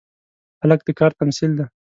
هلک د کار تمثیل دی.